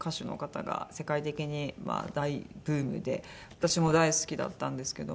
私も大好きだったんですけども。